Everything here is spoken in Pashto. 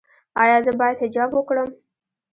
ایا زه باید حجاب وکړم؟